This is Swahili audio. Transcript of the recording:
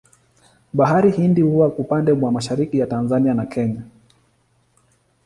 Bahari Hindi huwa upande mwa mashariki ya Tanzania na Kenya.